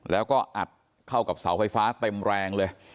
แล้วก็อัดเข้ากับเสาไฟฟ้าเต็มแรงเลย